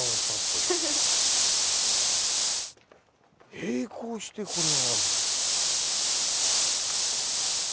並行してこれがあるんだ。